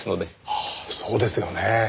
ああそうですよね。